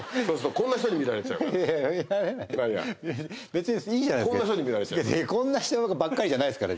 こんな人に見られちゃうから。